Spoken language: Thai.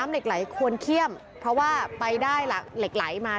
เหลี่ยมาวันละ๕๐๐๐คนนะ